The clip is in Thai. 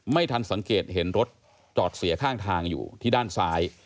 ไม่ทันสังเกตเห็นรถจอดเสียข้างทางอยู่ที่ด้านซ้าย